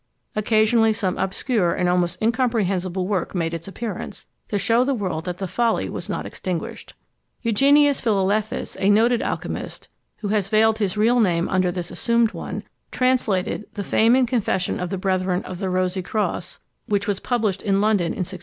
Occasionally some obscure and almost incomprehensible work made its appearance, to shew the world that the folly was not extinguished. Eugenius Philalethes, a noted alchymist, who has veiled his real name under this assumed one, translated The Fame and Confession of the Brethren of the Rosie Cross, which was published in London in 1652.